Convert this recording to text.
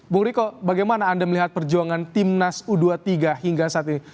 bung riko bagaimana anda melihat perjuangan timnas u dua puluh tiga hingga saat ini